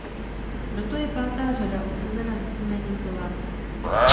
Proto je pátá řada obsazena víceméně Slováky.